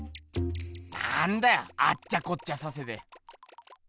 なんだよあっちゃこっちゃさせて。